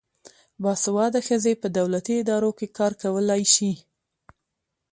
باسواده ښځې په دولتي ادارو کې کار کولای شي.